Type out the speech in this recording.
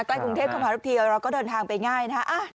ใกล้กรุงเทพเข้ามาทุกทีเราก็เดินทางไปง่ายนะฮะ